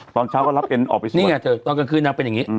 ตอนเช้าก็รับเอ็นออกไปซื้อนี่ไงเธอตอนกลางคืนนางเป็นอย่างนี้